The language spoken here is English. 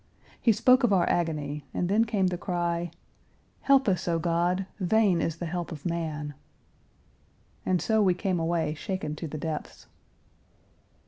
He spoke of our agony, and then came the cry, "Help us, O God! Vain is the help of man." And so we came away shaken to the depths.